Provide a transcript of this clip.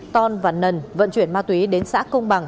ton và nần vận chuyển ma túy đến xã công bằng